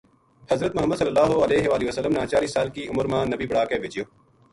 حضرت محمد ﷺ نا چالی سال کی عمر ما نبی بنا کے بھیجیو۔